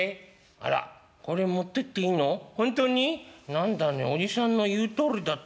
何だねおじさんの言うとおりだったね。